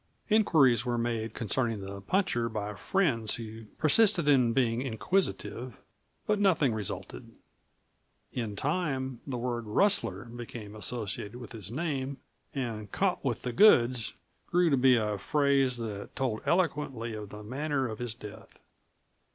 Inquiries were made concerning the puncher by friends who persisted in being inquisitive, but nothing resulted. In time the word "rustler" became associated with his name, and "caught with the goods" grew to be a phrase that told eloquently of the manner of his death.